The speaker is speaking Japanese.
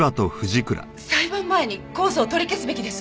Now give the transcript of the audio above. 裁判前に公訴を取り消すべきです。